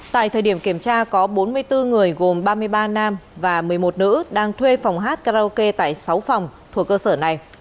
tại thời điểm kiểm tra có bốn mươi bốn người gồm ba mươi ba nam và một mươi một nữ đang thuê phòng hát karaoke tại sáu phòng thuộc cơ sở này